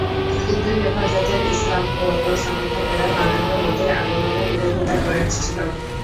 কিন্তু হেফাজতে ইসলাম ও এর সমর্থকেরা নরেন্দ্র মোদীর আগমনের বিরোধীতা করে আসছিল।